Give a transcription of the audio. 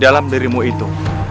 di dalam dirimu itu